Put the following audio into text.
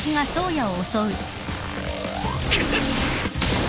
くっ！